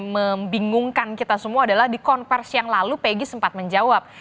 membingungkan kita semua adalah di konversi yang lalu pegg sempat menjawab